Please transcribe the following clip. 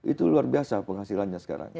itu luar biasa penghasilannya sekarang